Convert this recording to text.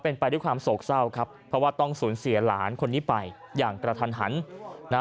เป็นไปด้วยความโศกเศร้าครับเพราะว่าต้องสูญเสียหลานคนนี้ไปอย่างกระทันหันนะฮะ